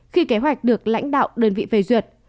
khi kế hoạch được lãnh đạo đơn vị phê duyệt